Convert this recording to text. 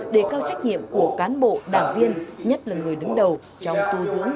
đề cao trách nhiệm của cán bộ đảng viên nhất là người đứng đầu trong tu dưỡng